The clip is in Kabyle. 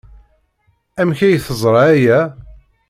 Amek ay teẓra aya?